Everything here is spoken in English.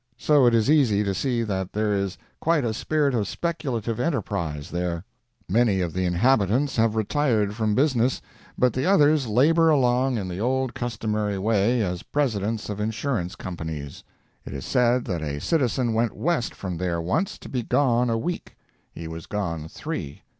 So it is easy to see that there is quite a spirit of speculative enterprise there. Many of the inhabitants have retired from business, but the others labor along in the old customary way, as presidents of insurance companies. It is said that a citizen went west from there once, to be gone a week. He was gone three.